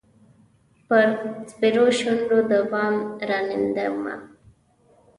پر سپیرو شونډو د بام راننېدمه